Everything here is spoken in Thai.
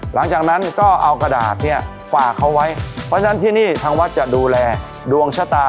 หลังจากนั้นก็เอากระดาษเนี่ยฝากเขาไว้เพราะฉะนั้นที่นี่ทางวัดจะดูแลดวงชะตา